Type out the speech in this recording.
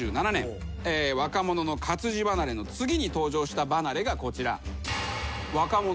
若者の活字離れの次に登場した離れがこちら。